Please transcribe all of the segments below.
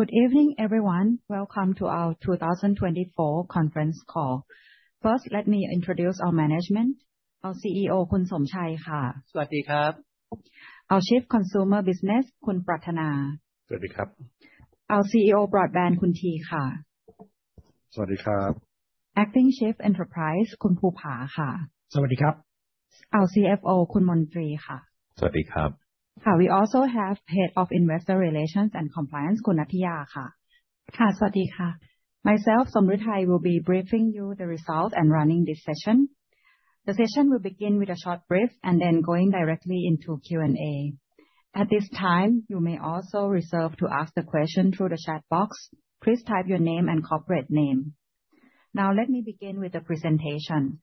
Good evening, everyone. Welcome to our 2024 conference call. First, let me introduce our management. Our CEO, Khun Somchai. Now, Chief Consumer Business, Khun Pratthana broadband CEO, Khun Tee Acting Chief Enterprise Khun Phupha CFO, Khun Montri. We also have Head of Investor Relations and Compliance, Khun Nattiya, ka. Ka. Sawasdee ka. Myself, Somruetai, will be briefing you the results and running this session. The session will begin with a short brief and then going directly into Q&A. At this time, you may also reserve to ask the question through the chat box. Please type your name and corporate name. Now, let me begin with the presentation.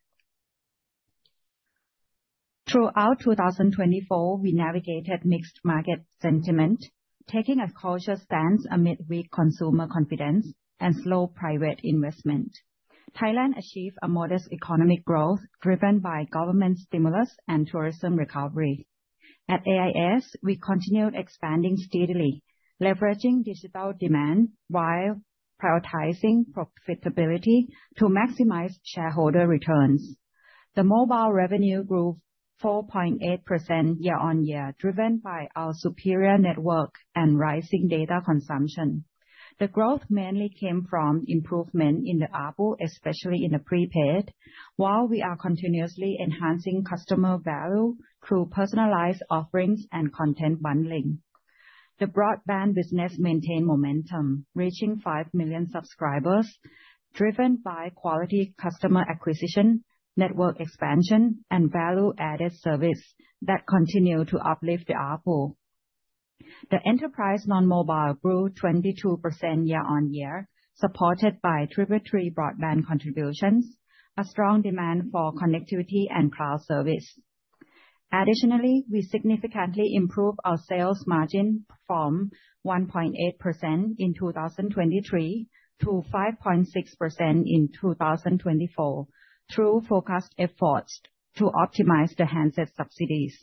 Throughout 2024, we navigated mixed market sentiment, taking a cautious stance amid weak consumer confidence and slow private investment. Thailand achieved a modest economic growth driven by government stimulus and tourism recovery. At AIS, we continued expanding steadily, leveraging digital demand while prioritizing profitability to maximize shareholder returns. The mobile revenue grew 4.8% year-on-year, driven by our superior network and rising data consumption. The growth mainly came from improvement in the ARPU, especially in the prepaid, while we are continuously enhancing customer value through personalized offerings and content bundling. The broadband business maintained momentum, reaching five million subscribers, driven by quality customer acquisition, network expansion, and value-added service that continue to uplift the ARPU. The enterprise non-mobile grew 22% year-on-year, supported by Triple T Broadband contributions, a strong demand for connectivity and cloud service. Additionally, we significantly improved our sales margin from 1.8% in 2023 to 5.6% in 2024 through focused efforts to optimize the handset subsidies.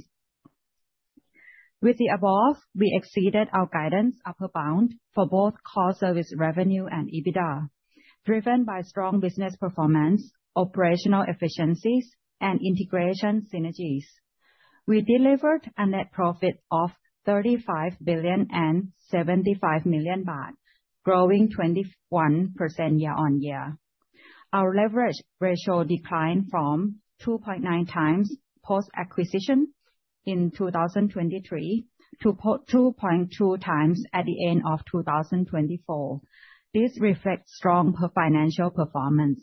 With the above, we exceeded our guidance upper bound for both core service revenue and EBITDA, driven by strong business performance, operational efficiencies, and integration synergies. We delivered a net profit of 35 billion and 75 million baht, growing 21% year-on-year. Our leverage ratio declined from 2.9x post-acquisition in 2023 to 2.2 times at the end of 2024. This reflects strong financial performance.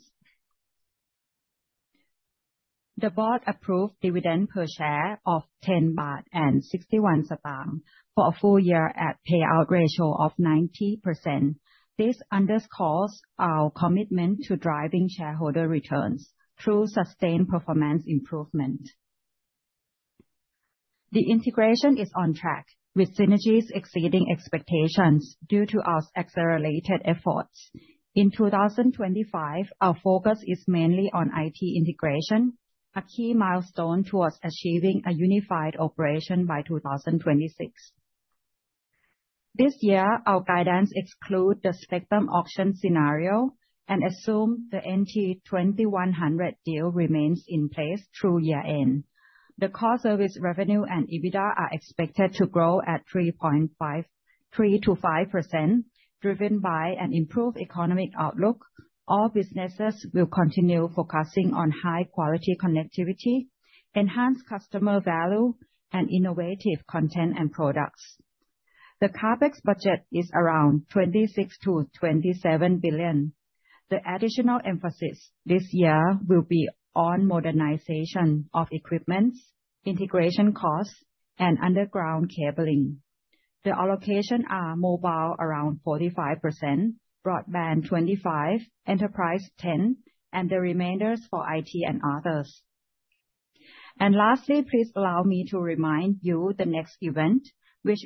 The board approved dividend per share of 10.61 baht for a full year at payout ratio of 90%. This underscores our commitment to driving shareholder returns through sustained performance improvement. The integration is on track, with synergies exceeding expectations due to our accelerated efforts. In 2025, our focus is mainly on IT integration, a key milestone towards achieving a unified operation by 2026. This year, our guidance excludes the spectrum auction scenario and assumes the NT2100 deal remains in place through year-end. The core service revenue and EBITDA are expected to grow at 3.5%-5%, driven by an improved economic outlook. All businesses will continue focusing on high-quality connectivity, enhanced customer value, and innovative content and products. The CapEx budget is around 26 billion-27 billion. The additional emphasis this year will be on modernization of equipment, integration costs, and underground cabling. The allocations are mobile around 45%, broadband 25%, enterprise 10%, and the remainder for IT and others. And lastly, please allow me to remind you of the next event, which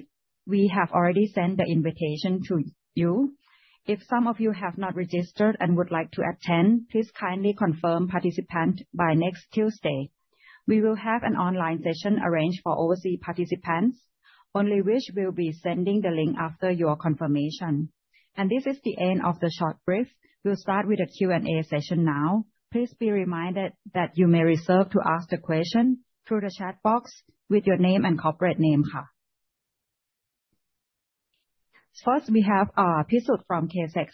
we have already sent the invitation to you. If some of you have not registered and would like to attend, please kindly confirm participation by next Tuesday. We will have an online session arranged for overseas participants, only which we will be sending the link after your confirmation. And this is the end of the short brief. We'll start with a Q&A session now. Please be reminded that you may reserve to ask the question through the chat box with your name and corporate name,ค่ะ. First, we have Pisut from KSEC.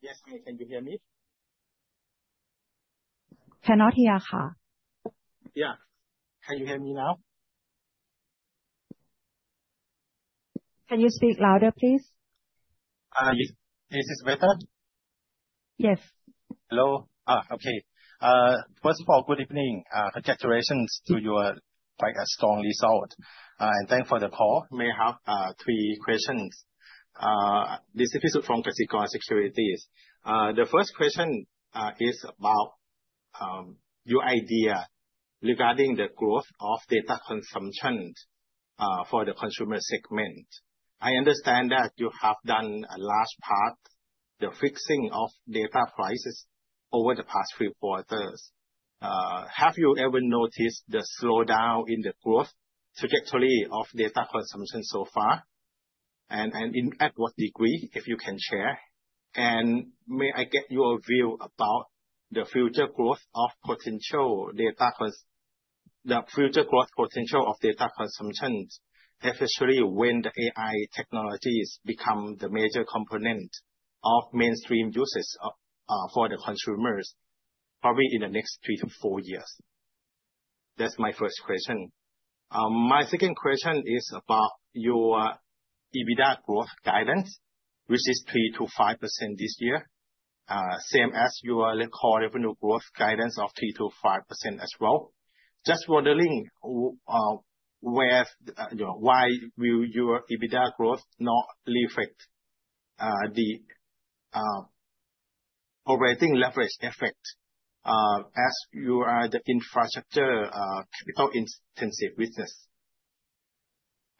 Yes, ma'am, can you hear me? Cannot hear. Yeah, can you hear me now? Can you speak louder, please? This is better? Yes. Hello. Okay. First of all, good evening. Congratulations to your quite strong result. And thanks for the call. I have three questions. This is Pisut from Kasikorn Securities. The first question is about your idea regarding the growth of data consumption for the consumer segment. I understand that you have done a large part, the fixing of data prices over the past three quarters. Have you ever noticed the slowdown in the growth trajectory of data consumption so far? And in what degree, if you can share? And may I get your view about the future growth potential of data consumption, especially when the AI technologies become the major component of mainstream uses for the consumers, probably in the next three to four years? That's my first question. My second question is about your EBITDA growth guidance, which is 3%-5% this year, same as your core revenue growth guidance of 3%-5% as well. Just wondering, where—you know, why will your EBITDA growth not reflect, the, operating leverage effect, as you are the infrastructure, capital-intensive business?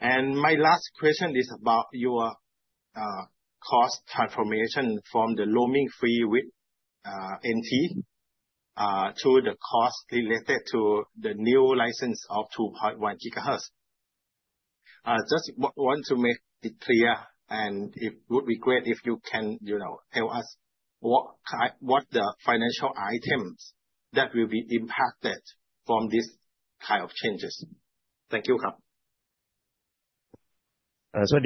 And my last question is about your, cost transformation from the roaming-free with NT, to the cost related to the new license of 2.1 GHz. Just want to make it clear, and it would be great if you can, you know, tell us what kind—what the financial items that will be impacted from this kind of changes. Thank you.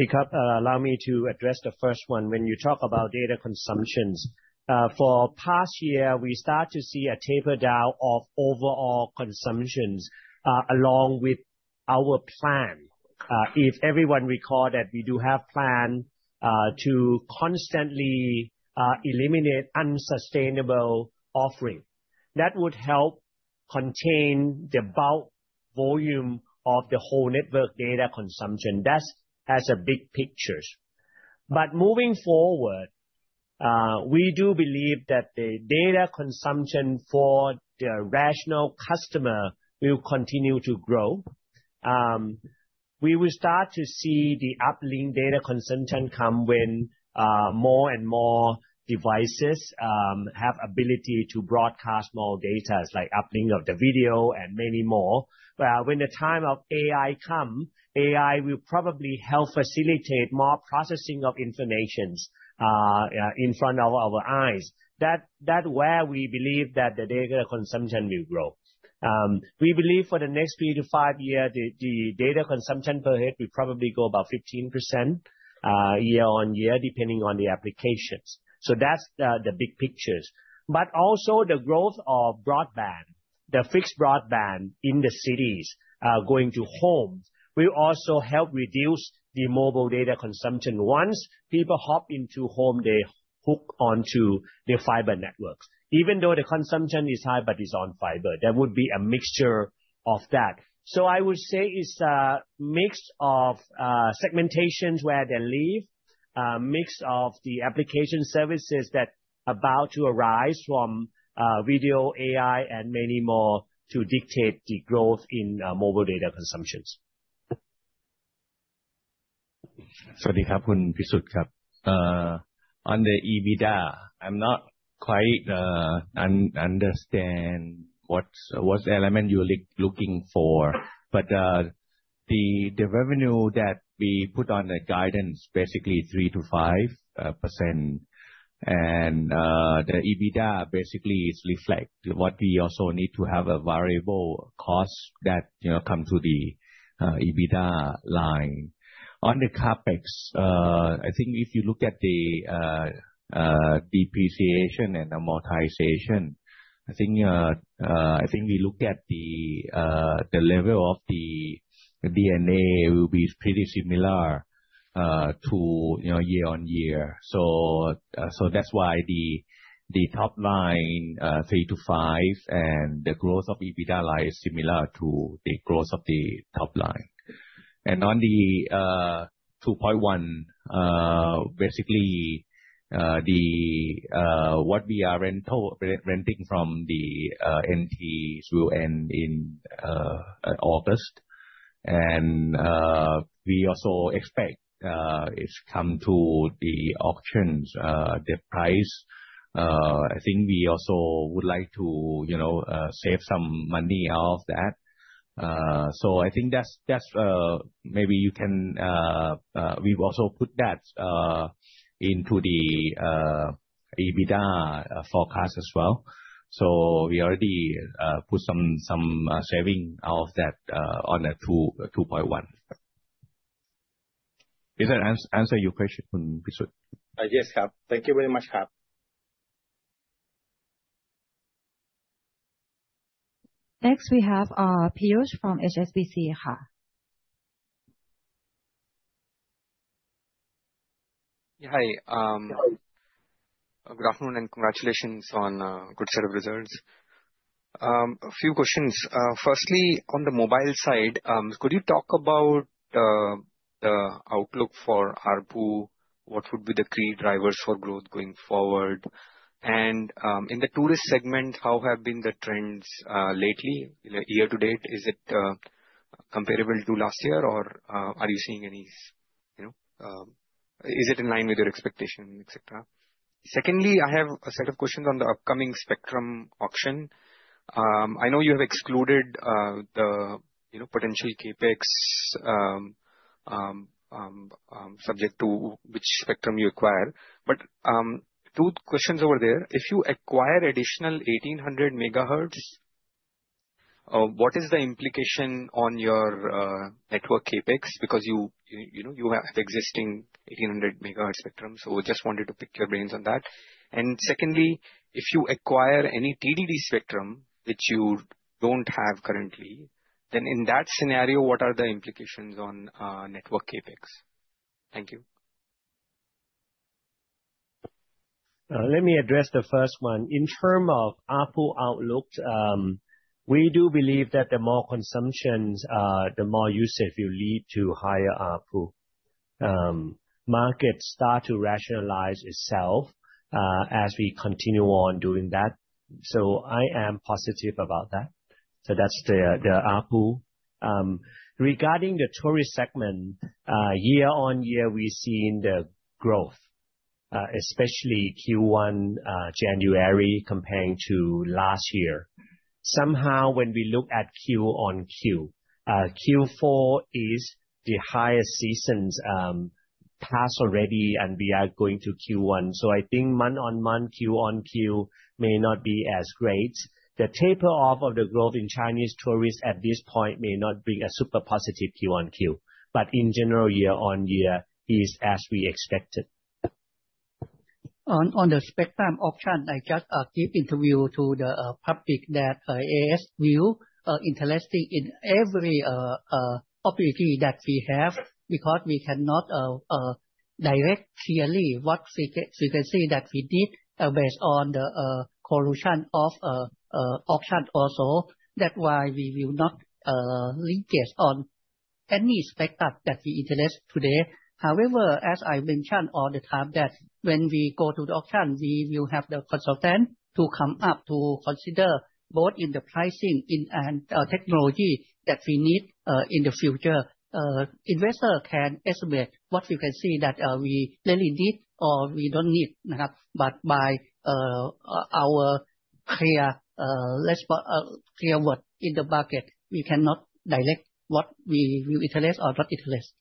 krub. Allow me to address the first one. When you talk about data consumption, for past year, we start to see a taper down of overall consumption, along with our plan. If everyone recall that we do have plan, to constantly eliminate unsustainable offering, that would help contain the bulk volume of the whole network data consumption. That's as a big picture. But moving forward, we do believe that the data consumption for the rational customer will continue to grow. We will start to see the uplink data consumption come when more and more devices have ability to broadcast more data, like uplink of the video and many more. But when the time of AI comes, AI will probably help facilitate more processing of information, in front of our eyes. That's where we believe that the data consumption will grow. We believe for the next three-to-five years, the data consumption per head will probably go about 15% year-on-year, depending on the applications. So that's the big pictures. But also the growth of broadband, the fixed broadband in the cities, going to homes will also help reduce the mobile data consumption. Once people hop into home, they hook onto the fiber networks. Even though the consumption is high, but it's on fiber, there would be a mixture of that. So I would say it's a mix of segmentations where they live, a mix of the application services that are about to arise from video, AI, and many more to dictate the growth in mobile data consumptions. Hello, Khun Pisut. On the EBITDA, I'm not quite understand what's the element you're looking for, but the revenue that we put on the guidance basically 3%-5%, and the EBITDA basically reflects what we also need to have a variable cost that, you know, come to the EBITDA line. On the CapEx, I think if you look at the depreciation and amortization, I think we look at the level of the D&A will be pretty similar to, you know, year-on-year. So that's why the top line 3%-5%, and the growth of EBITDA line is similar to the growth of the top line. And on the 2.1, basically what we are renting from the NT will end in August. And we also expect it'll come to the auctions, the price. I think we also would like to, you know, save some money out of that, so I think that's maybe you can, we've also put that into the EBITDA forecast as well, so we already put some saving out of that on the 2.1. Is that answer your question, Khun Pisut? Yes. Thank you very much. Next, we have Piyush from HSBC. Yeah, hi. Good afternoon and congratulations on a good set of results. A few questions. Firstly, on the mobile side, could you talk about the outlook for ARPU? What would be the key drivers for growth going forward? And in the tourist segment, how have been the trends lately? Year to date, is it comparable to last year, or are you seeing any, you know, is it in line with your expectation, etc.? Secondly, I have a set of questions on the upcoming spectrum auction. I know you have excluded the, you know, potential CapEx, subject to which spectrum you acquire, but two questions over there. If you acquire additional 1800 megahertz, what is the implication on your network CapEx? Because you, you know, you have existing 1800 megahertz spectrum, so we just wanted to pick your brains on that. Secondly, if you acquire any TDD spectrum, which you don't have currently, then in that scenario, what are the implications on network CapEx? Thank you. Let me address the first one. In terms of ARPU outlook, we do believe that the more consumptions, the more usage will lead to higher ARPU. Markets start to rationalize itself, as we continue on doing that. So I am positive about that. So that's the ARPU. Regarding the tourist segment, year-on-year, we've seen the growth, especially Q1, January compared to last year. Somehow, when we look at Q on Q, Q4 is the highest season, past already, and we are going to Q1. So I think month on month, Q on Q may not be as great. The taper off of the growth in Chinese tourists at this point may not bring a super positive Q on Q, but in general, year-on-year is as we expected. On the spectrum auction, I just gave an interview to the public that AIS view is interested in every opportunity that we have because we cannot predict clearly what frequency that we bid based on the correlation of options also. That's why we will not link on any spectrum that we interest today. However, as I mentioned all the time that when we go to the auction, we will have the consultant to come up to consider both in the pricing and technology that we need in the future. Investors can estimate what frequency that we really need or we don't need, but by our clear, let's put clear word in the market, we cannot predict what we will interest or not interest.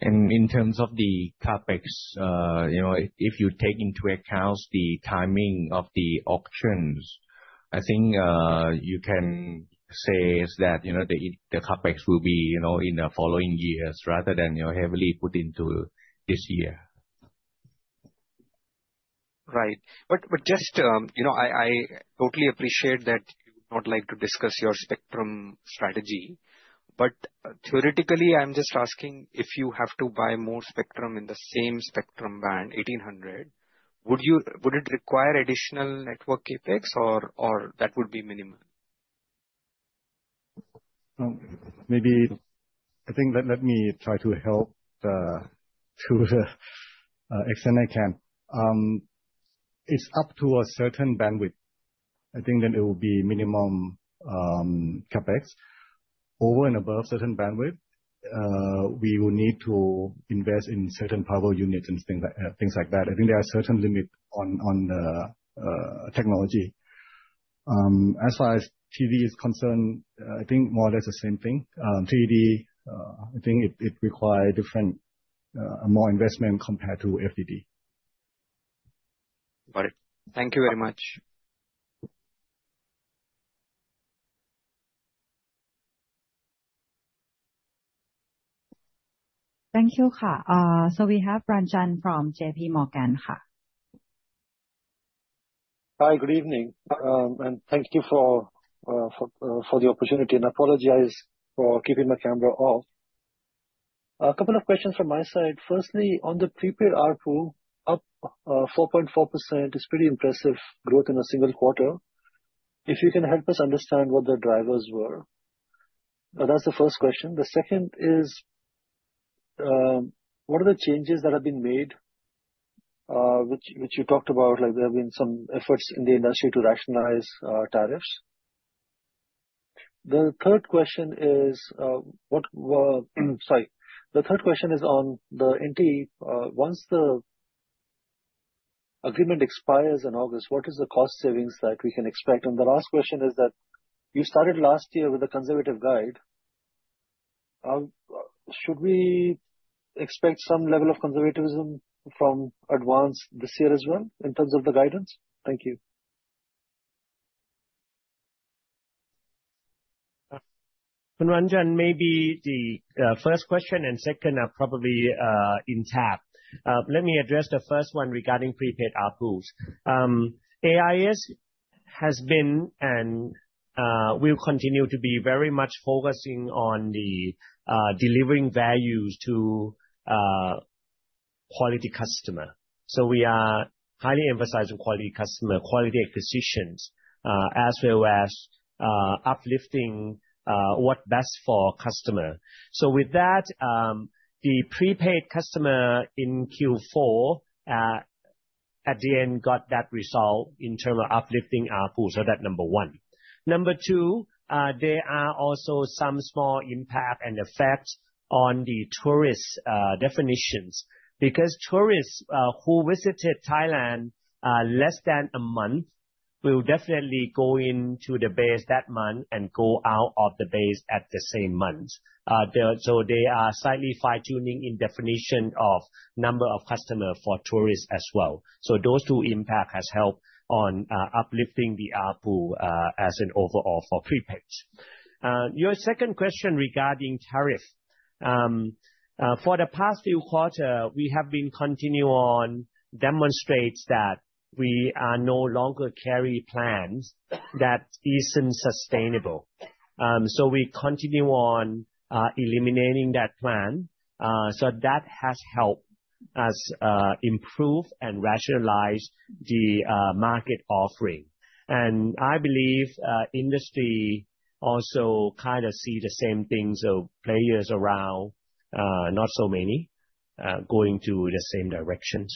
In terms of the CapEx, you know, if you take into account the timing of the auctions, I think, you can say that, you know, the CapEx will be, you know, in the following years rather than, you know, heavily put into this year. Right. But just, you know, I totally appreciate that you would not like to discuss your spectrum strategy, but theoretically, I'm just asking if you have to buy more spectrum in the same spectrum band, 1800, would it require additional network CapEx or that would be minimal? Maybe, I think, let me try to help to extend I can. It's up to a certain bandwidth. I think then it will be minimum CapEx. Over and above certain bandwidth, we will need to invest in certain power units and things like that. I think there are certain limits on the technology. As far as TDD is concerned, I think more or less the same thing. TDD, I think it requires different, more investment compared to FDD. Got it. Thank you very much. Thank you. So we have Ranjan from JPMorgan. Hi, good evening, and thank you for the opportunity. I apologize for keeping my camera off. A couple of questions from my side. Firstly, on the prepaid ARPU up 4.4% is pretty impressive growth in a single quarter. If you can help us understand what the drivers were. That's the first question. The second is, what are the changes that have been made, which you talked about, like there have been some efforts in the industry to rationalize tariffs? The third question is on the NT, once the agreement expires in August, what is the cost savings that we can expect? And the last question is that you started last year with a conservative guidance. Should we expect some level of conservatism from Advance this year as well in terms of the guidance? Thank you. Ranjan, maybe the first question and second are probably intact. Let me address the first one regarding prepaid ARPUs. AIS has been and will continue to be very much focusing on the delivering values to quality customer. So we are highly emphasizing quality customer, quality acquisitions, as well as uplifting what best for customer. So with that, the prepaid customer in Q4 at the end got that result in terms of uplifting ARPU. So that's number one. Number two, there are also some small impact and effect on the tourist definitions because tourists who visited Thailand less than a month will definitely go into the base that month and go out of the base at the same month. So they are slightly fine-tuning in definition of number of customers for tourists as well. So those two impacts have helped on uplifting the ARPU as an overall for prepaid. Your second question regarding tariff. For the past few quarters, we have been continuing on demonstrates that we are no longer carrying plans that isn't sustainable. So we continue on, eliminating that plan. So that has helped us improve and rationalize the market offering. And I believe industry also kind of see the same thing. So players around not so many going to the same directions.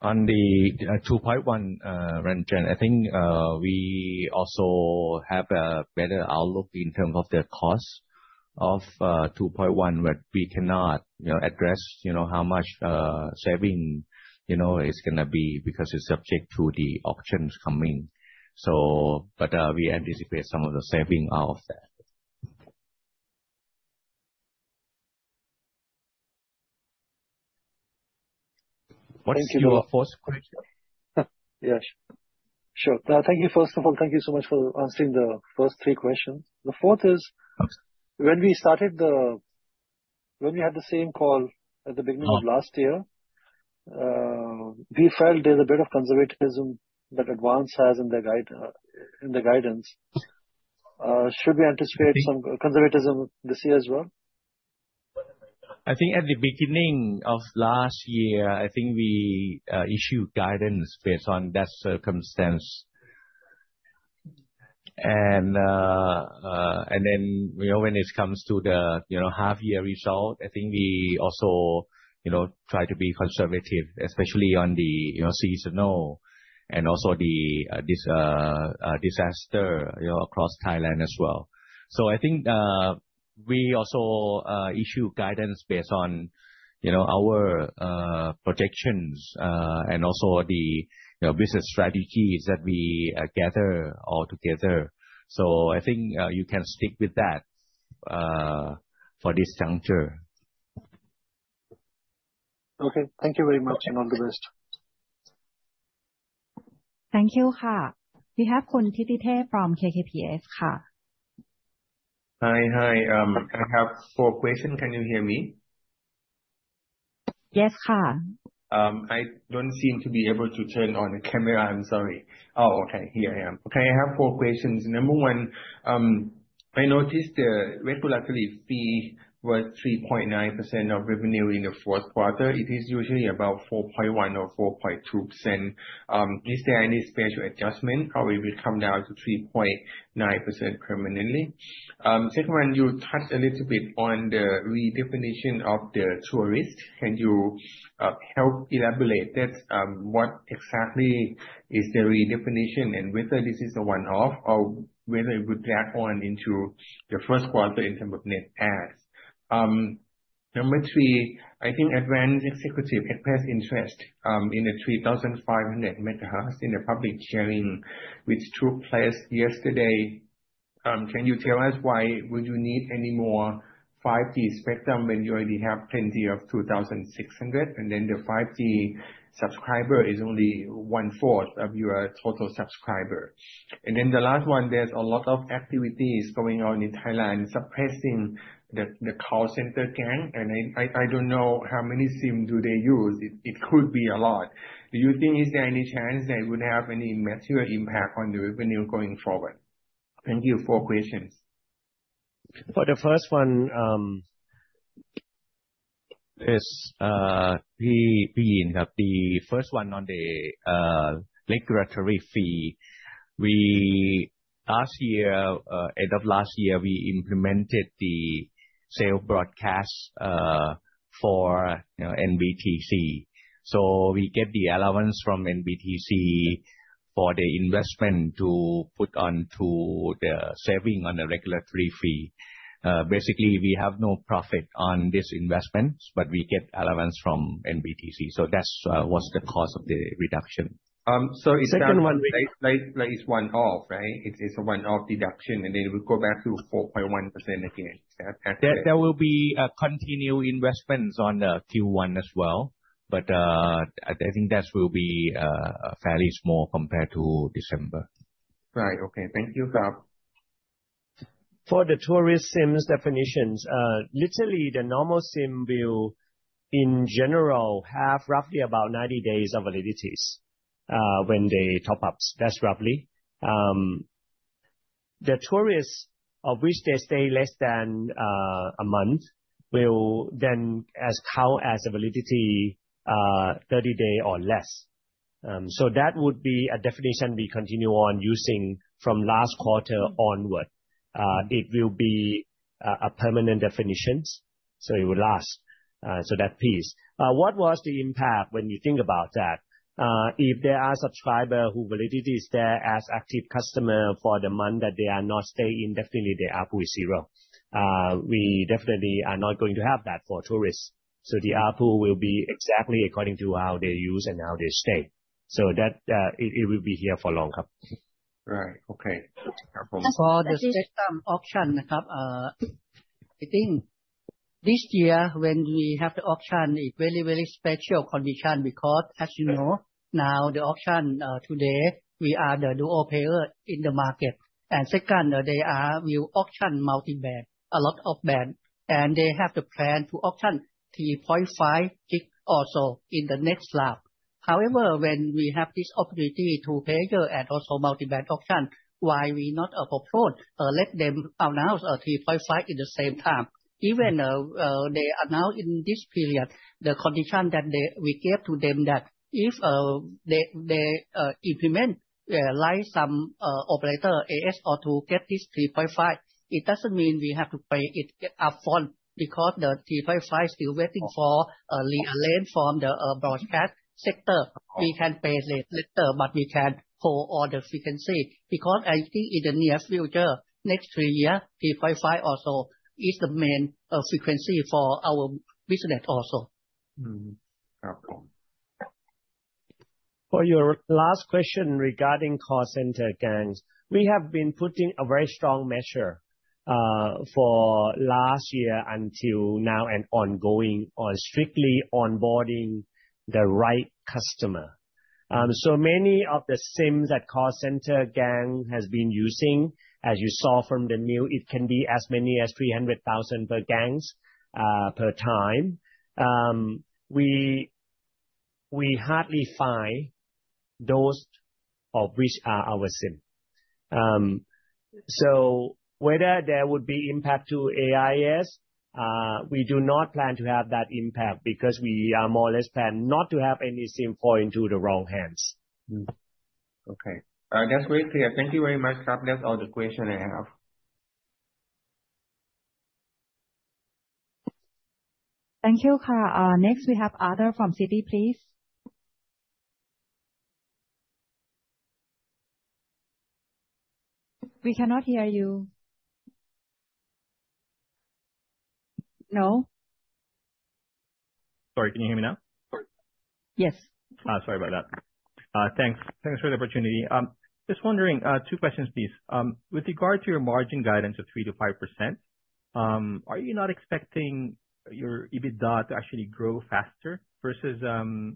On the 2.1, Ranjan, I think, we also have a better outlook in terms of the cost of 2.1, but we cannot, you know, address, you know, how much saving, you know, it's going to be because it's subject to the auctions coming. So, but, we anticipate some of the saving out of that. Thank you. What is your first question? Yes. Sure. Thank you. First of all, thank you so much for answering the first three questions. The fourth is, when we had the same call at the beginning of last year, we felt there's a bit of conservatism that Advanced has in the guide, in the guidance. Should we anticipate some conservatism this year as well? I think at the beginning of last year, I think we issued guidance based on that circumstance and then, you know, when it comes to the, you know, half-year result, I think we also, you know, try to be conservative, especially on the, you know, seasonal and also the disaster, you know, across Thailand as well, so I think we also issued guidance based on, you know, our projections and also the, you know, business strategies that we gather all together, so I think you can stick with that for this juncture. Okay. Thank you very much and all the best. Thank you. We have Khun Thitithep from KKPS. Hi, hi. I have four questions. Can you hear me? Yes. I don't seem to be able to turn on the camera. I'm sorry. Oh, okay. Here I am. Okay. I have four questions. Number one, I noticed the regulatory fee was 3.9% of revenue in the fourth quarter. It is usually about 4.1% or 4.2%. Is there any special adjustment? Probably we come down to 3.9% permanently. Second one, you touched a little bit on the redefinition of the tourist. Can you help elaborate that? What exactly is the redefinition and whether this is a one-off or whether it would drag on into the first quarter in terms of net adds? Number three, I think AIS executives expressed interest in the 3,500 MHz in the spectrum sharing with two players yesterday. Can you tell us why you would need any more 5G spectrum when you already have plenty of 2,600? The 5G subscriber is only one-fourth of your total subscriber. The last one, there's a lot of activities going on in Thailand suppressing the call center gang. I don't know how many SIM do they use. It could be a lot. Do you think is there any chance that it would have any material impact on the revenue going forward? Thank you for questions. For the first one, the first one on the regulatory fee, we last year, end of last year, we implemented the cell broadcast for, you know, NBTC. So we get the allowance from NBTC for the investment to put onto the saving on the regulatory fee. Basically, we have no profit on this investment, but we get allowance from NBTC. So that's what's the cause of the reduction? So it's second one, it's one-off, right? It's a one-off deduction, and then we go back to 4.1% again. That will be continued investments on the Q1 as well. But I think that will be fairly small compared to December. Right. Okay. Thank you. For the tourist SIMs definitions, literally the normal SIM will in general have roughly about 90 days of validity, when they top up. That's roughly the tourists who stay less than a month will then account as validity 30 days or less. So that would be a definition we continue on using from last quarter onward. It will be a permanent definition. So it will last, so that piece. What was the impact when you think about that? If there are subscribers whose validity is there as active customer for the month that they are not staying, the ARPU is zero. We definitely are not going to have that for tourists. So the ARPU will be exactly according to how they use and how they stay. So that it will be here for long. Right. Okay. For the spectrum auction, I think this year when we have the auction, it's really, really special condition because as you know, now the auction, today, we are the duopoly in the market. And second, they will auction multi-band, a lot of band. And they have the plan to auction 3.5 gig also in the next slot. However, when we have this opportunity to duopoly and also multi-band auction, why we not propose let them announce 3.5 gig in the same time? Even if they announce in this period, the condition that we gave to them that if they implement, like some operator AIS or to get this 3.5 gig, it doesn't mean we have to pay it upfront because the 3.5 gig is still waiting for a rearrangement from the broadcast sector. We can pay later, but we can call all the frequency because I think in the near future, next three years, 3.5 gig also is the main frequency for our business also. For your last question regarding call center gangs, we have been putting a very strong measure, for last year until now and ongoing on strictly onboarding the right customer. So many of the SIMs that call center gang has been using, as you saw from the news, it can be as many as 300,000 per gangs, per time. We hardly find those of which are our SIM. So whether there would be impact to AIS, we do not plan to have that impact because we are more or less plan not to have any SIM fall into the wrong hands. Okay. That's very clear. Thank you very much. That's all the questions I have. Thank you. Next we have Arthur from Citi, please. We cannot hear you. No? Sorry, can you hear me now? Yes. Sorry about that. Thanks. Thanks for the opportunity. Just wondering, two questions, please. With regard to your margin guidance of 3%-5%, are you not expecting your EBITDA to actually grow faster versus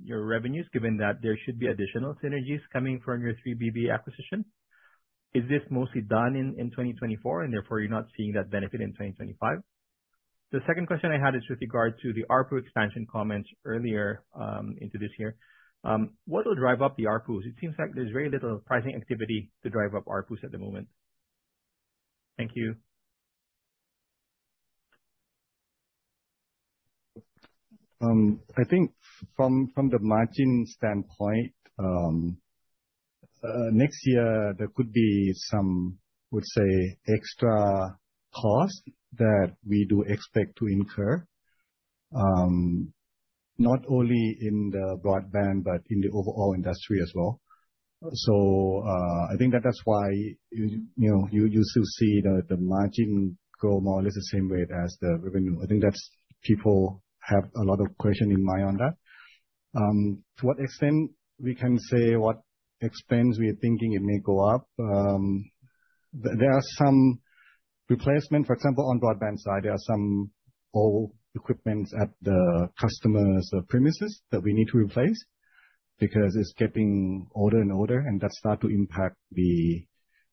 your revenues given that there should be additional synergies coming from your 3BB acquisition? Is this mostly done in 2024, and therefore you're not seeing that benefit in 2025? The second question I had is with regard to the ARPU expansion comments earlier into this year. What will drive up the ARPUs? It seems like there's very little pricing activity to drive up ARPUs at the moment. Thank you. I think from the margin standpoint, next year, there could be some, I would say, extra cost that we do expect to incur, not only in the broadband, but in the overall industry as well. So, I think that that's why you know you still see the margin go more or less the same rate as the revenue. I think that's people have a lot of questions in mind on that. To what extent we can say what expense we are thinking it may go up. There are some replacements, for example, on broadband side. There are some old equipment at the customer's premises that we need to replace because it's getting older and older, and that starts to impact the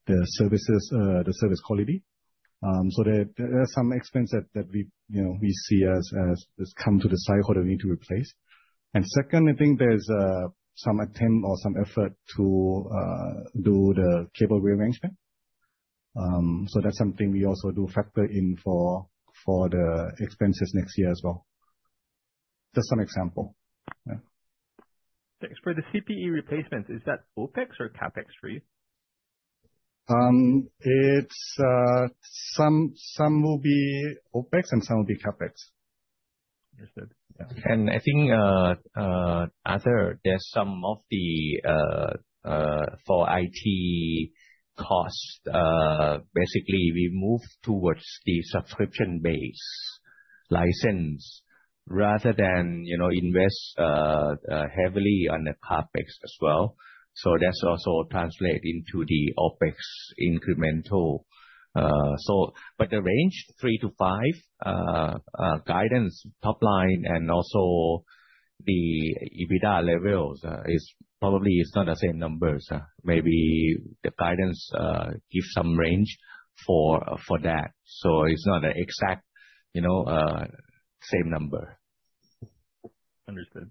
services, the service quality. So there are some expense that we, you know, we see as come to the side that we need to replace. And second, I think there's some attempt or some effort to do the cable rearrangement. So that's something we also do factor in for the expenses next year as well. Just some example. Thanks. For the CPE replacements, is that OpEx or CapEx for you? Some will be OpEx and some will be CapEx. Understood. I think, Arthur, there's some of the for IT costs. Basically we move towards the subscription-based license rather than, you know, invest heavily on the CapEx as well. So that's also translate into the OpEx incremental. But the range three to five guidance top line and also the EBITDA levels is probably it's not the same numbers. Maybe the guidance gives some range for that. So it's not an exact, you know, same number. Understood.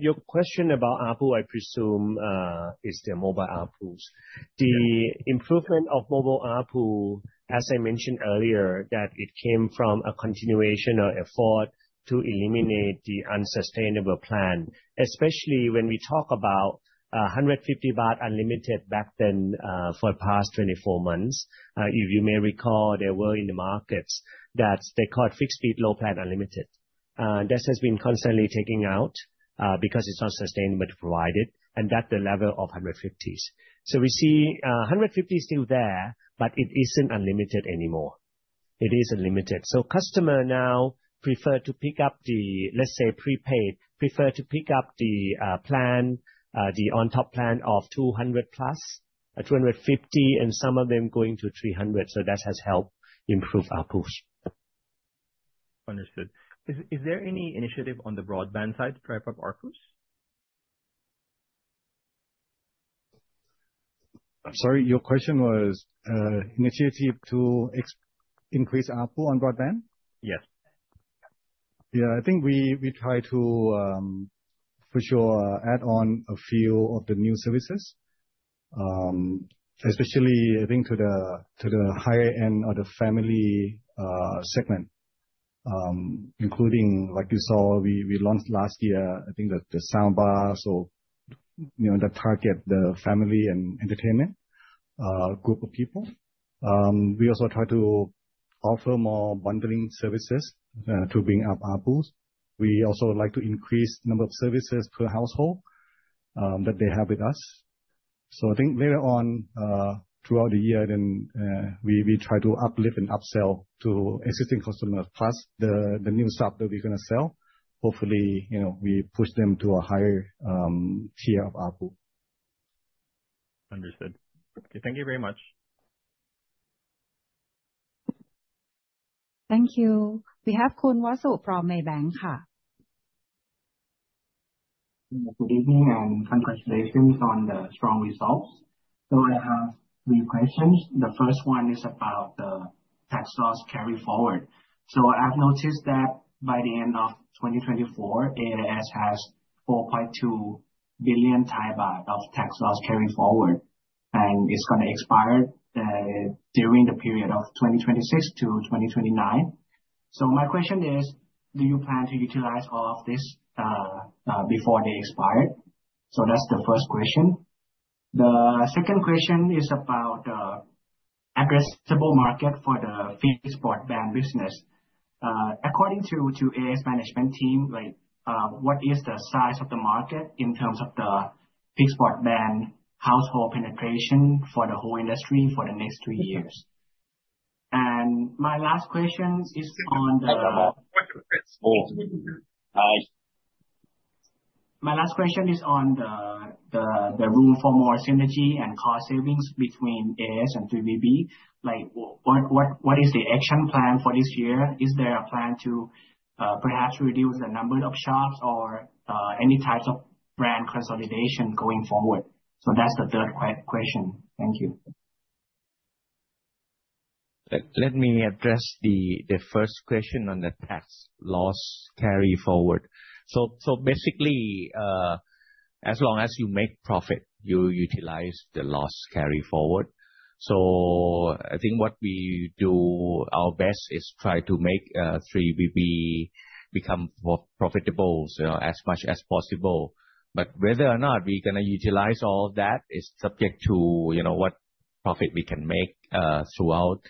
Your question about ARPU, I presume, is the mobile ARPUs. The improvement of mobile ARPU, as I mentioned earlier, that it came from a continuation of effort to eliminate the unsustainable plan, especially when we talk about 150 baht unlimited back then, for the past 24 months. If you may recall, there were in the markets that they called fixed speed low plan unlimited. This has been constantly taken out, because it's not sustainable to provide it, and that's the level of 150s. So we see, 150s still there, but it isn't unlimited anymore. It is unlimited. So customer now prefer to pick up the, let's say, prepaid, prefer to pick up the, plan, the on-top plan of 200+, 250, and some of them going to 300. So that has helped improve ARPUs. Understood. Is, is there any initiative on the broadband side to ramp up ARPUs? I'm sorry, your question was, initiative to increase ARPU on broadband? Yes. Yeah, I think we try to, for sure, add on a few of the new services, especially I think to the higher end or the family segment, including, like you saw, we launched last year, I think the Soundbar, so, you know, that target the family and entertainment group of people. We also try to offer more bundling services to bring up ARPUs. We also like to increase the number of services per household that they have with us. So I think later on, throughout the year, we try to uplift and upsell to existing customers plus the new stuff that we're going to sell. Hopefully, you know, we push them to a higher tier of ARPU. Understood. Thank you very much. Thank you. We have Khun Wasu from Maybank, ka. Good evening and congratulations on the strong results. So I have three questions. The first one is about the tax loss carry forward. So I've noticed that by the end of 2024, AIS has 4.2 billion baht of tax loss carry forward, and it's going to expire during the period of 2026 to 2029. So my question is, do you plan to utilize all of this before they expire? So that's the first question. The second question is about the addressable market for the fixed broadband business. According to AIS management team, like, what is the size of the market in terms of the fixed broadband household penetration for the whole industry for the next three years? And my last question is on the room for more synergy and cost savings between AIS and 3BB. Like, what is the action plan for this year? Is there a plan to, perhaps, reduce the number of shops or any types of brand consolidation going forward? So that's the third question. Thank you. Let me address the first question on the tax loss carry forward. So basically, as long as you make profit, you utilize the loss carry forward. So I think what we do our best is try to make 3BB become profitable, you know, as much as possible. But whether or not we're going to utilize all of that is subject to, you know, what profit we can make throughout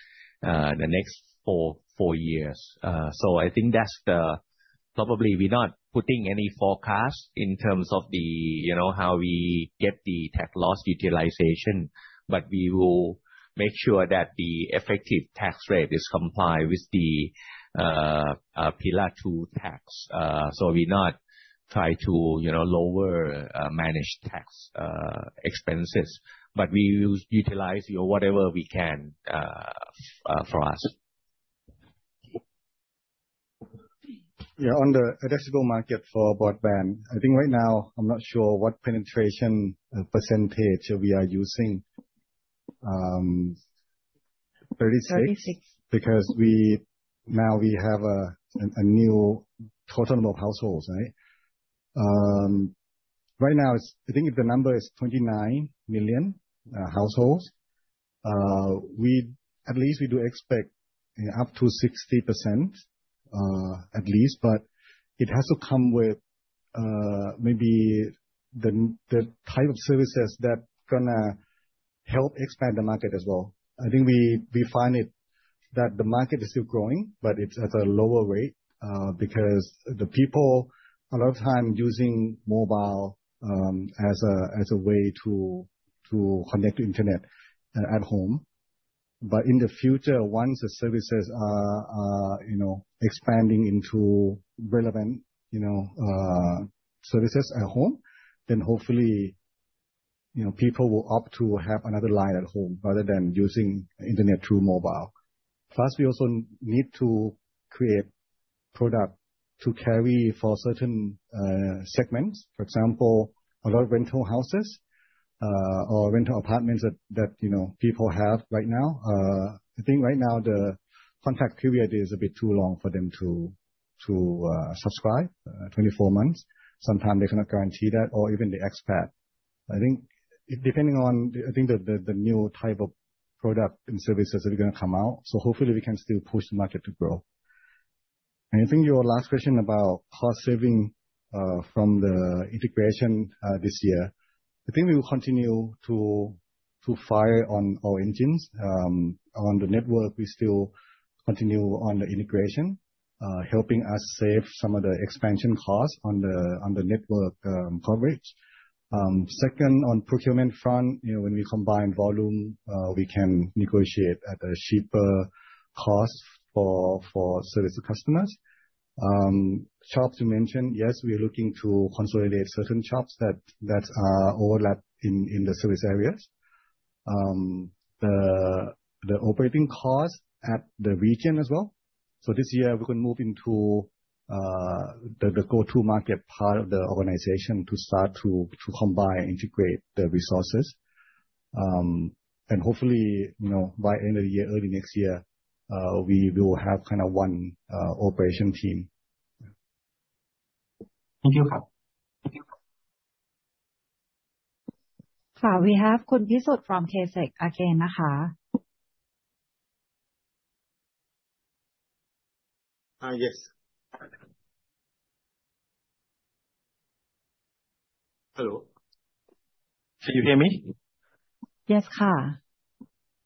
the next four years. So I think that's probably we're not putting any forecast in terms of the, you know, how we get the tax loss utilization, but we will make sure that the effective tax rate is complied with the Pillar 2 tax. So we not try to, you know, lower managed tax expenses, but we will utilize, you know, whatever we can for us. Yeah, on the addressable market for broadband, I think right now, I'm not sure what penetration percentage we are using. 36% because we now have a new total number of households, right? Right now, I think if the number is 29 million households, we at least do expect up to 60%, at least, but it has to come with maybe the type of services that's going to help expand the market as well. I think we find it that the market is still growing, but it's at a lower rate, because the people a lot of time using mobile as a way to connect to internet at home. But in the future, once the services are, you know, expanding into relevant, you know, services at home, then hopefully, you know, people will opt to have another line at home rather than using internet through mobile. Plus, we also need to create product to cater for certain segments, for example, a lot of rental houses, or rental apartments that, you know, people have right now. I think right now the contract period is a bit too long for them to subscribe, 24 months. Sometimes they cannot guarantee that or even expats. I think depending on, I think the new type of product and services that are going to come out. So hopefully we can still push the market to grow. And I think your last question about cost saving from the integration this year. I think we will continue to fire on our engines on the network. We still continue on the integration, helping us save some of the expansion costs on the network coverage. Second, on the procurement front, you know, when we combine volume, we can negotiate at a cheaper cost for service to customers. Last to mention, yes, we're looking to consolidate certain shops that are overlapped in the service areas. The operating cost at the region as well. So this year we can move into the go-to-market part of the organization to start to combine and integrate the resources. And hopefully, you know, by end of the year, early next year, we will have kind of one operation team. Thank you. Ka, we have Khun Pisut from KSEC again. Yes. Hello. Can you hear me? Yes.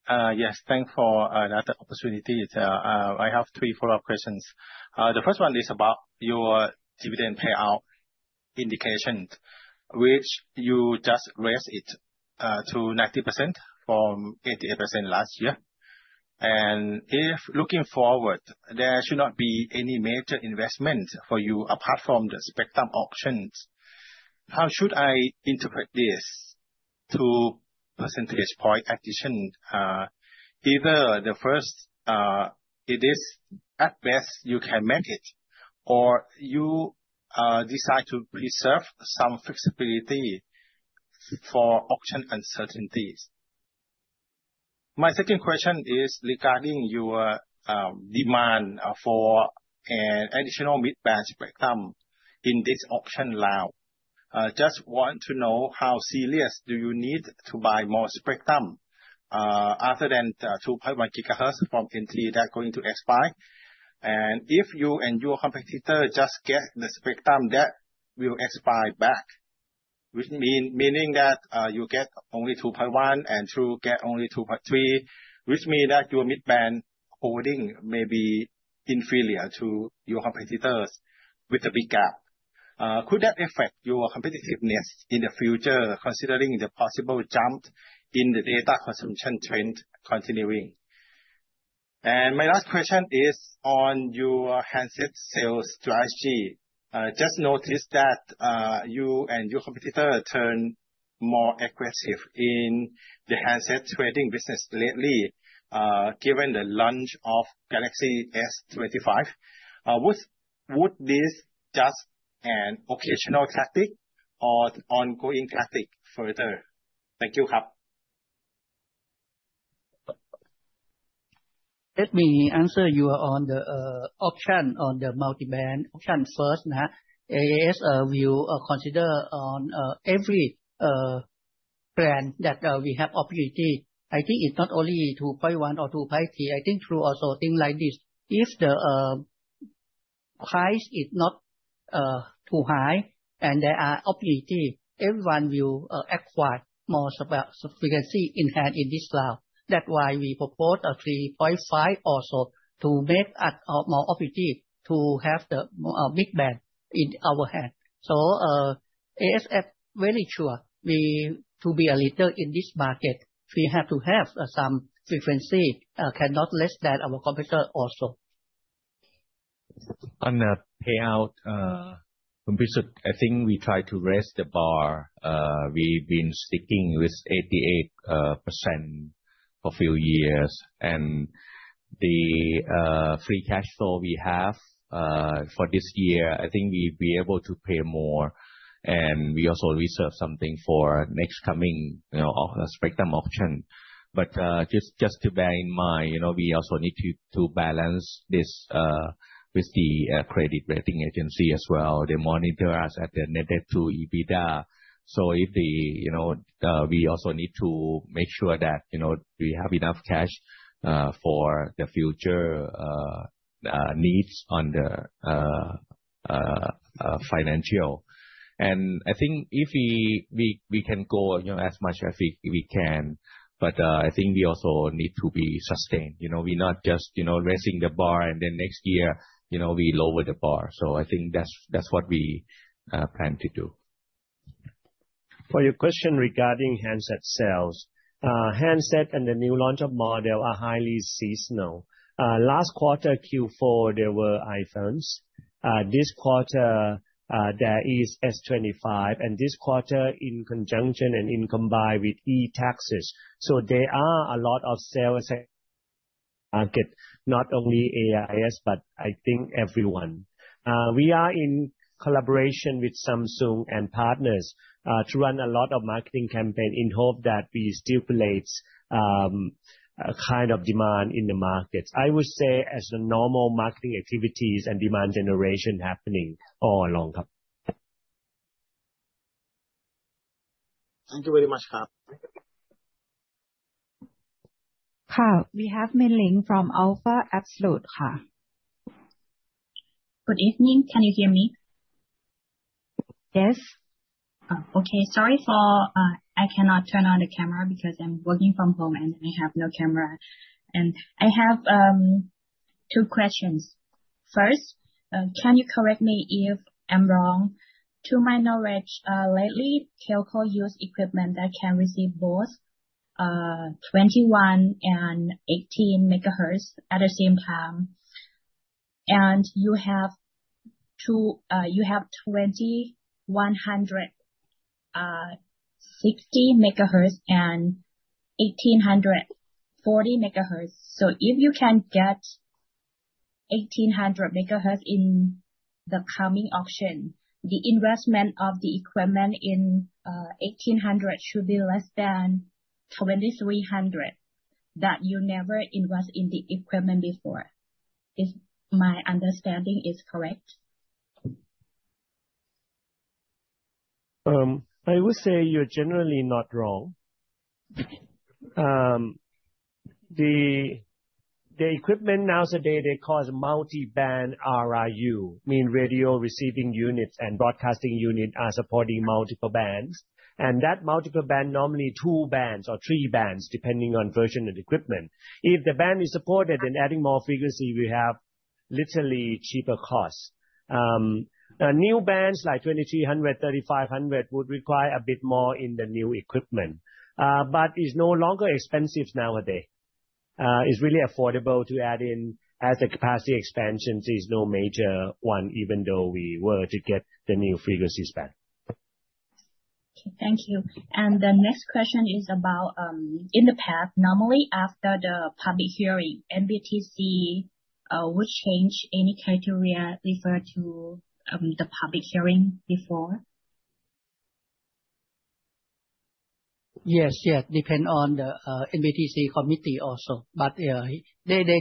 Yes. Thanks for the opportunity. I have three follow-up questions. The first one is about your dividend payout indication, which you just raised it to 90% from 88% last year. If looking forward, there should not be any major investment for you apart from the spectrum auctions. How should I interpret this two percentage point addition? Either the first, it is at best you can manage it, or you decide to preserve some flexibility for auction uncertainties. My second question is regarding your demand for an additional mid-band spectrum in this auction round. Just want to know how serious do you need to buy more spectrum, other than 2.1 gigahertz from NT that's going to expire? If you and your competitor just get the spectrum that will expire back, which means that you get only 2.1 and True get only 2.3, which mean that your mid-band holding may be inferior to your competitors with a big gap. Could that affect your competitiveness in the future considering the possible jump in the data consumption trend continuing? And my last question is on your handset sales strategy. Just noticed that you and your competitor turned more aggressive in the handset trading business lately, given the launch of Galaxy S25. Would this just an occasional tactic or ongoing tactic further? Thank you. Let me answer you on the multi-band option first, nè. AIS will consider on every band that we have opportunity. I think it's not only 2.1 or 2.3. I think 2.6 also things like this. If the price is not too high and there are opportunities, everyone will acquire more frequency in hand in this round. That's why we propose a 3.5 also to make us more opportunity to have the mid-band in our hand. So, as for 5G, very sure we to be a leader in this market, we have to have some frequency, cannot less than our competitor also. On the payout, Khun Pisut, I think we try to raise the bar. We've been sticking with 88% for a few years. The free cash flow we have for this year, I think we'll be able to pay more. We also reserve something for next coming, you know, spectrum auction. But just to bear in mind, you know, we also need to balance this with the credit rating agency as well. They monitor us at the net debt to EBITDA. So if the, you know, we also need to make sure that, you know, we have enough cash for the future needs on the financial. I think if we can go, you know, as much as we can, but I think we also need to be sustained, you know. We're not just, you know, raising the bar and then next year, you know, we lower the bar. I think that's what we plan to do. For your question regarding handset sales, handset and the new launch of model are highly seasonal. Last quarter Q4, there were iPhones. This quarter, there is S25, and this quarter in conjunction and in combined with e-taxes. So there are a lot of sales market, not only AIS, but I think everyone. We are in collaboration with Samsung and partners, to run a lot of marketing campaign in hope that we stimulate a kind of demand in the markets. I would say as the normal marketing activities and demand generation happening all along. Thank you very much. Ka, we have Min Ling from Alpha Absolute. Good evening. Can you hear me? Yes. Okay. Sorry, I cannot turn on the camera because I'm working from home and I have no camera. And I have two questions. First, can you correct me if I'm wrong? To my knowledge, lately, AIS uses equipment that can receive both 2100 megahertz and 1800 megahertz at the same time. And you have, too, you have 2100 megahertz, 2600 megahertz and 1800 megahertz. So if you can get 1800 megahertz in the coming auction, the investment of the equipment in 1800 megahertz should be less than 2300 megahertz that you never invest in the equipment before. If my understanding is correct. I would say you're generally not wrong. The equipment nowadays, they call it multi-band RRU, meaning radio receiving units and broadcasting units are supporting multiple bands. That multiple band normally two bands or three bands depending on version of the equipment. If the band is supported and adding more frequency, we have literally cheaper costs. New bands like 2300 megahertz, 3500 megahertz would require a bit more in the new equipment, but it's no longer expensive nowadays. It's really affordable to add in as the capacity expansion is no major one, even though we were to get the new frequencies back. Thank you. And the next question is about, in the past, normally after the public hearing, NBTC would change any criteria referred to the public hearing before? Yes, yes. Depends on the NBTC committee also, but they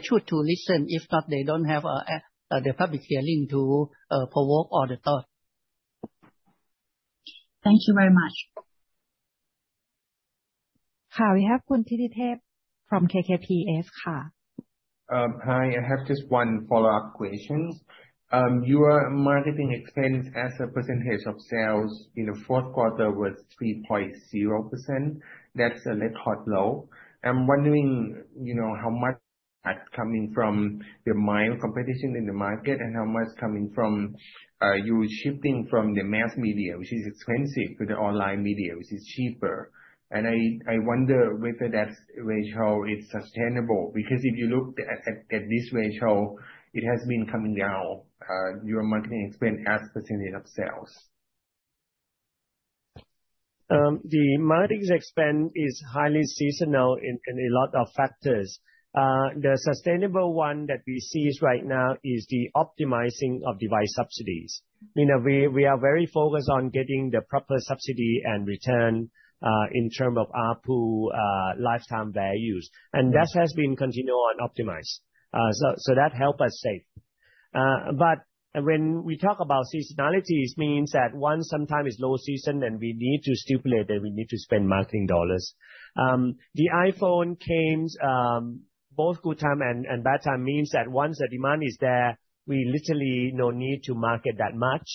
should to listen. If not, they don't have the public hearing to provoke all the thought. Thank you very much. Ka, we have Khun Thitithep from KKPS. Hi. I have just one follow-up question. Your marketing expenses as a percentage of sales in the fourth quarter was 3.0%. That's a record low. I'm wondering, you know, how much coming from the mild competition in the market and how much coming from your shifting from the mass media, which is expensive, to the online media, which is cheaper. And I wonder whether that ratio is sustainable because if you look at this ratio, it has been coming down, your marketing expenses as percentage of sales. The marketing expense is highly seasonal in a lot of factors. The sustainable one that we see right now is the optimizing of device subsidies. You know, we are very focused on getting the proper subsidy and return in terms of ARPU, lifetime values, and that has been continued on optimize, so that helps us save, but when we talk about seasonality, it means that once sometime is low season and we need to stimulate that we need to spend marketing dollars. The iPhone comes, both good time and bad time means that once the demand is there, we literally no need to market that much,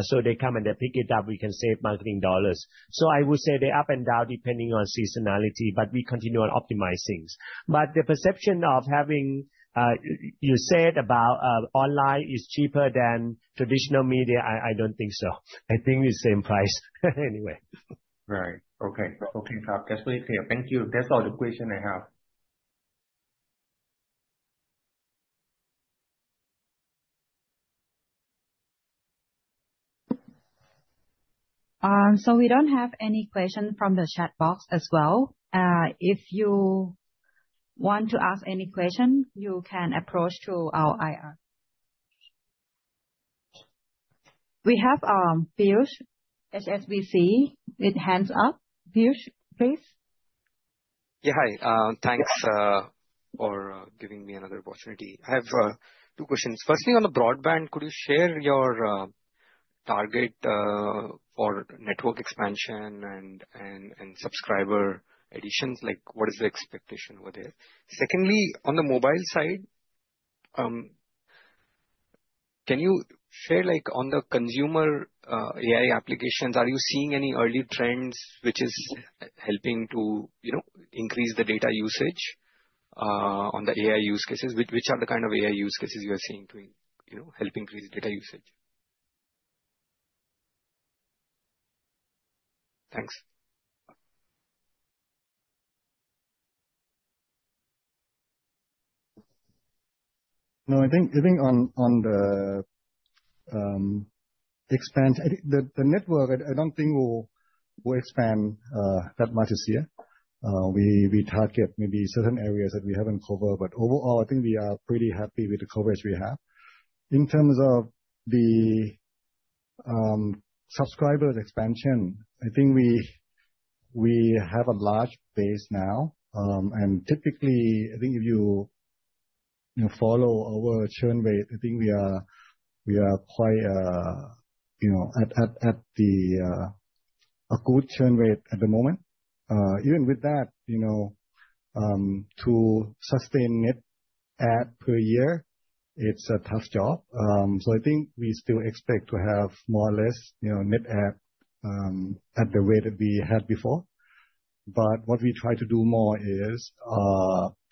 so they come and they pick it up, we can save marketing dollars, so I would say they up and down depending on seasonality, but we continue on optimizing. But the perception of having, you said about, online is cheaper than traditional media. I don't think so. I think it's the same price anyway. Right. Okay. Okay. That's very clear. Thank you. That's all the questions I have. So we don't have any question from the chat box as well. If you want to ask any question, you can approach to our IR. We have Piyush HSBC with hands up. Piyush, please. Yeah. Hi. Thanks for giving me another opportunity. I have two questions. Firstly, on the broadband, could you share your target for network expansion and subscriber additions? Like, what is the expectation over there? Secondly, on the mobile side, can you share, like, on the consumer AI applications, are you seeing any early trends which is helping to, you know, increase the data usage on the AI use cases? Which are the kind of AI use cases you are seeing to, you know, help increase data usage? Thanks. No, I think on the expansion of the network, I don't think we'll expand that much this year. We target maybe certain areas that we haven't covered, but overall, I think we are pretty happy with the coverage we have. In terms of the subscribers expansion, I think we have a large base now, and typically, I think if you follow our churn rate, you know, I think we are quite at a good churn rate at the moment, even with that, you know, to sustain net add per year, it's a tough job, so I think we still expect to have more or less, you know, net add at the rate that we had before. But what we try to do more is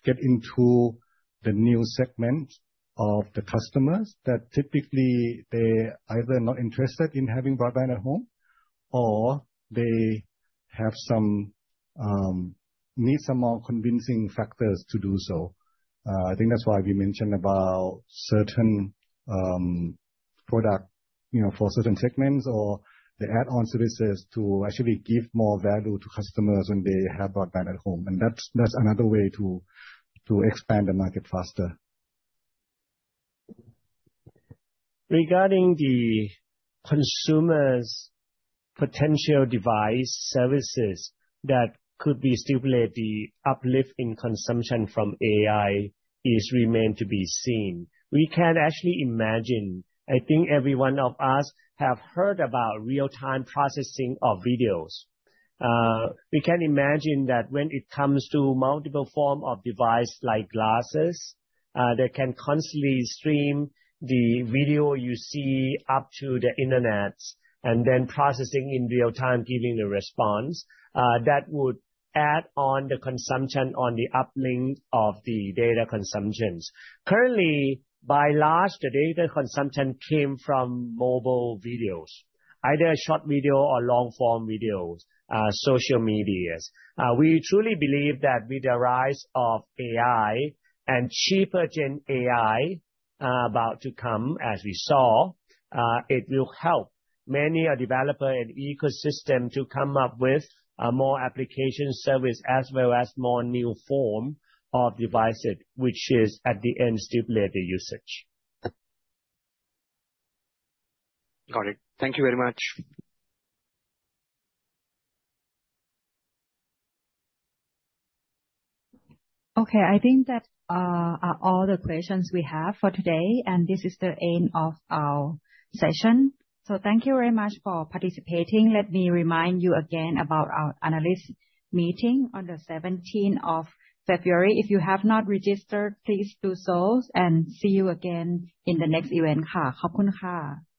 get into the new segment of the customers that typically they either not interested in having broadband at home or they have some need some more convincing factors to do so. I think that's why we mentioned about certain product, you know, for certain segments or the add-on services to actually give more value to customers when they have broadband at home. And that's, that's another way to, to expand the market faster. Regarding the consumers' potential device services that could be stipulated, the uplift in consumption from AI is remained to be seen. We can actually imagine, I think every one of us have heard about real-time processing of videos. We can imagine that when it comes to multiple forms of device like glasses, that can constantly stream the video you see up to the internet and then processing in real time, giving a response, that would add on the consumption on the uplink of the data consumptions. Currently, by and large, the data consumption came from mobile videos, either short video or long-form videos, social media. We truly believe that with the rise of AI and cheaper-gen AI, about to come, as we saw, it will help many developers and ecosystems to come up with, more application service as well as more new forms of devices, which is at the end stimulate usage. Got it. Thank you very much. Okay. I think that are all the questions we have for today. And this is the end of our session. So thank you very much for participating. Let me remind you again about our analyst meeting on the 17th of February. If you have not registered, please do so and see you again in the next event. Thank you.